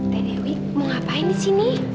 tete mau ngapain di sini